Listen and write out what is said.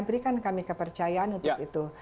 berikan kami kepercayaan untuk itu